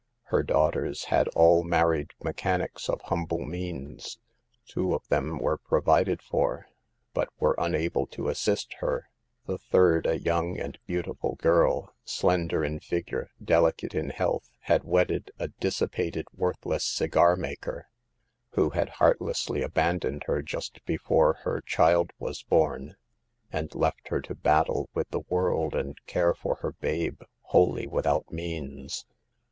Her daughters had all married mechanics of humble means. Two of them were provided for, but were unable to assist her ; the third, a young and beautiful girl, slender in figure, delicate in health, had wed ded a dissipated, worthless cigar maker, who had heartlessly abandoned her just before her 166 SAVE THE GIELS. child was born, and left her to battle with the world and care for her babe, wholly without means.